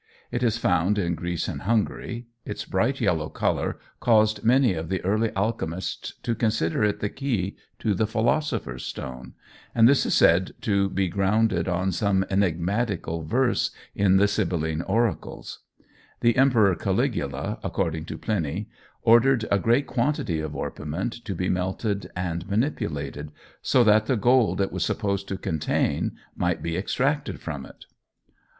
It is found in Greece and Hungary. Its bright yellow colour caused many of the early alchemists to consider it the key to the Philosopher's Stone, and this is said to be grounded on some enigmatical verse in the Sibylline oracles. The Emperor Caligula, according to Pliny, ordered a great quantity of orpiment to be melted and manipulated, so that the gold it was supposed to contain might be extracted from it.